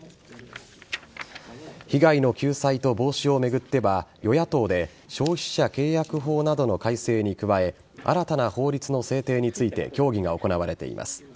被害の救済と防止を巡っては与野党で消費者契約法などの改正に加え新たな法律の制定について協議が行われています。